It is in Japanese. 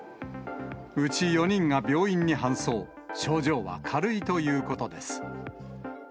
うち４人が病院に搬送、症状は軽いということです。